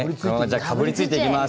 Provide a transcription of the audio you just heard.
かぶりついていきます。